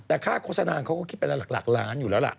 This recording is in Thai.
แต่ค่าโฆษณาเขาก็คิดเป็นหลักล้านอยู่แล้วล่ะ